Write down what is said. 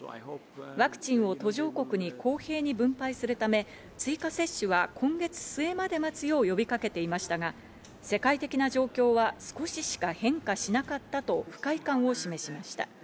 ワクチンを途上国に公平に分配するため、追加接種は今月末まで待つよう呼びかけていましたが、世界的な状況は少ししか変化しなかったと不快感を示しました。